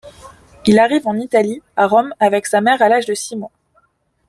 Il arrive en Italie, à Rome, avec sa mère à l'âge de six mois.